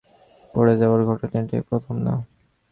পড়ে যাওয়ার ঘটনা এটাই প্রথম না।